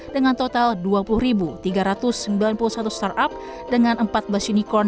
dengan total dua puluh tiga ratus sembilan puluh satu startup dengan empat belas unicorn